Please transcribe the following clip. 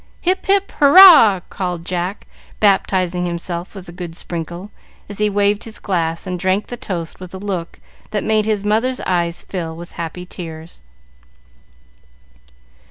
"Hip, hip, hurrah!" called Jack, baptizing himself with a good sprinkle, as he waved his glass and drank the toast with a look that made his mother's eyes fill with happy tears.